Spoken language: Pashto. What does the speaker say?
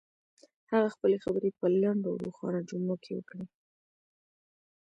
هغه خپلې خبرې په لنډو او روښانه جملو کې وکړې.